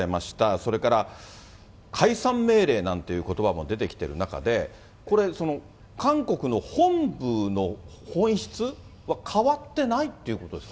それから解散命令なんていうことばも出てきてる中で、これ、韓国の本部の本質は変わってないということですか？